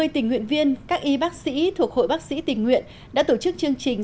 hai mươi tình nguyện viên các y bác sĩ thuộc hội bác sĩ tình nguyện đã tổ chức chương trình